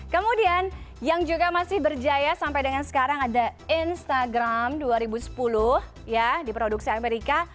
kemudian yang juga masih berjaya sampai dengan sekarang ada instagram dua ribu sepuluh ya di produksi amerika